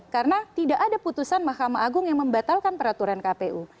karena tidak ada putusan mahkamah agung yang membatalkan peraturan kpu